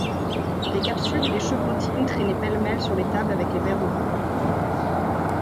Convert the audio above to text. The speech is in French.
Les capsules et les chevrotines traînaient pêle-mêle sur les tables avec les verres de vin.